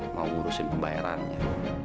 mau ngurusin pembayarannya